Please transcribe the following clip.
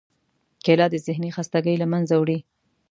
کېله د ذهنی خستګۍ له منځه وړي.